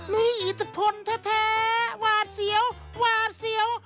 นี่จะพ้นแท้หวาดเสียวหวาดเสียว